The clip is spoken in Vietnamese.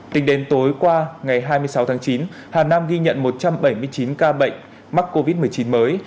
tính đến tối qua ngày hai mươi sáu tháng chín hà nam ghi nhận một trăm bảy mươi chín ca bệnh mắc covid một mươi chín mới